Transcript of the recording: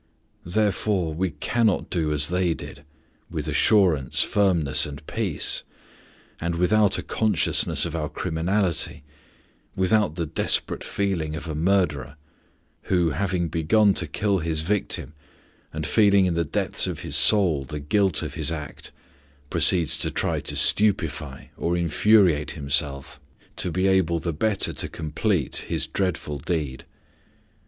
Therefore, we cannot do as they did, with assurance, firmness, and peace, and without a consciousness of our criminality, without the desperate feeling of a murderer, who, having begun to kill his victim, and feeling in the depths of his soul the guilt of his act, proceeds to try to stupefy or infuriate himself, to be able the better to complete his dreadful deed.